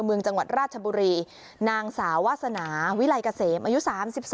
อำมือจังหวัดราชบุรีนางสาวัฒนาวิลัยเกษม